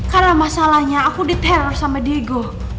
karena masalahnya aku diteror sama diego